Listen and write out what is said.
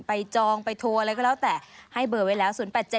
จองไปโทรอะไรก็แล้วแต่ให้เบอร์ไว้แล้ว๐๘๗